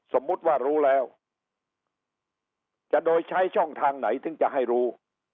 สมมุติว่ารู้แล้วจะโดยใช้ช่องทางไหนถึงจะให้รู้